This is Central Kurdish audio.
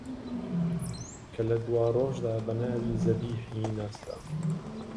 کە لە دواڕۆژدا بە ناوی زەبیحی ناسرا